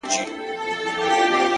• یو څو ورځي یې خالي راوړل دامونه ,